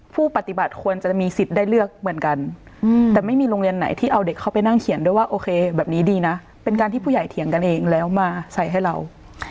ผู้ปฏิบัติควรจะมีสิทธิ์ได้เลือกเหมือนกันแต่ไม่มีโรงเรียนไหนที่เอาเด็กเข้าไปนั่งเขียนด้วยว่าโอเคแบบนี้ดีนะเป็นการที่ผู้ใหญ่เถียงกันเองแล้วมาใส่ให้เรา